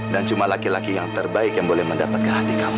dan cuma laki laki yang terbaik yang boleh mendapatkan hati kamu